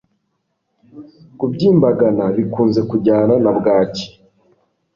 kubyimbagana bikunze kujyana na bwaki